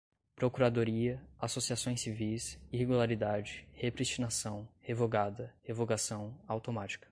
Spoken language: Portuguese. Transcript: procuradoria, associações civis, irregularidade, repristinação, revogada, revogação, automática